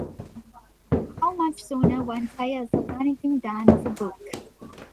How much sooner one tires of anything than of a book!